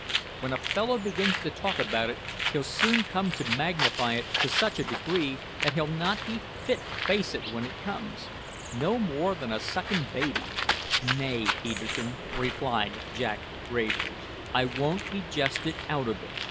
When a fellow begins to talk about it, he'll soon come to magnify it to such a degree that he'll not be fit to face it when it comes no more than a suckin' baby." "Nay, Peterkin," replied Jack gravely, "I won't be jested out of it.